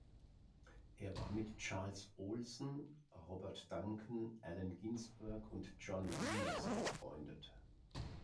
Er war mit Charles Olson, Robert Duncan, Allen Ginsberg und John Wieners befreundet.